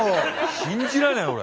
信じられない俺。